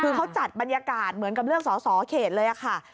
คือเขาจัดบรรยากาศเหมือนกับเลือกสอสอเขตเลยค่ะ